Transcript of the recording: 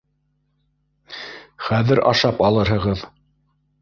Хәҙер ашап алырһығыҙ.